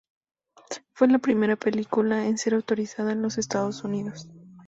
Fue la primera película en ser autorizada en los Estados Unidos.